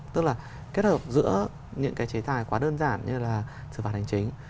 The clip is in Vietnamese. tức là kết hợp giữa những cái chế tài quá đơn giản như là xử phạt hành chính